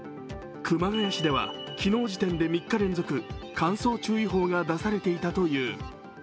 熊谷市では昨日時点で３日連続乾燥注意報が出されていたという。